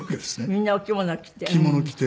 みんなお着物着て。